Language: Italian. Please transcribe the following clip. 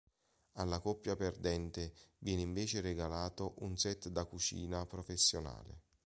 Alla coppia perdente, viene invece regalato un set da cucina professionale.